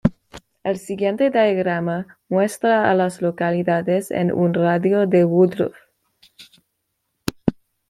El siguiente diagrama muestra a las localidades en un radio de de Woodruff.